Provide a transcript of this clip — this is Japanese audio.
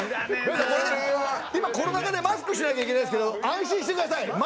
今コロナ禍でマスクしなきゃいけないですけど安心してください。